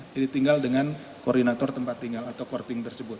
jadi tinggal dengan koordinator tempat tinggal atau korting tersebut